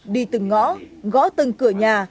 đi từng ngõ gó từng cửa nhà